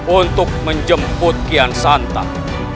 untuk menjemput kian santan